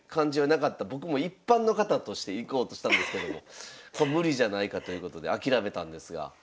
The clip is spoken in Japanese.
僕も一般の方として行こうとしたんですけどもこれ無理じゃないかということで諦めたんですが。